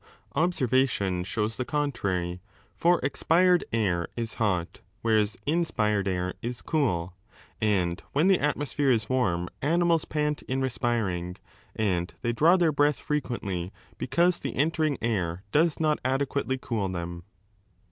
^ Observation shows the contrary, for expired air is 6 hot, whereas inspired air is cooL And when the atmosphere is warm animals pant in respiring and they draw their breath frequently, because the entering air 473 << does not adequately cool them.